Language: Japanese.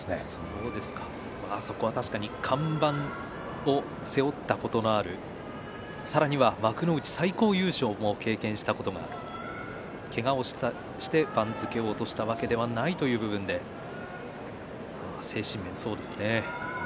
確かに看板を背負ったことがあるさらには幕内最高優勝も経験したことがあるけがをして番付を落としたわけではないという部分で精神面そうですね。